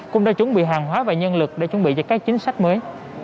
cũng đã chuẩn bị hàng hóa và nhân lực để chuẩn bị cho các chính sách mới